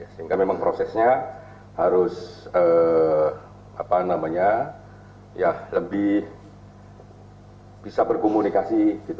sehingga memang prosesnya harus lebih bisa berkomunikasi